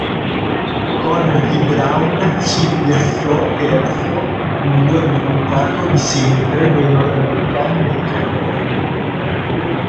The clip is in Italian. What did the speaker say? Con gli Brown si piazzò terzo, miglior risultato di sempre dei nordamericani nel torneo.